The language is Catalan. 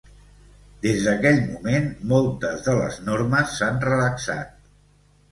Des d'aquell moment, moltes de les normes s'han relaxat.